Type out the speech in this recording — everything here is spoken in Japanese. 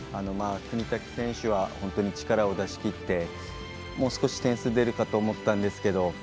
國武選手は本当に力を出しきってもう少し点数出るかと思ったんですが。